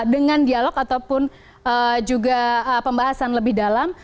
dengan dialog ataupun juga pembahasan lebih dalam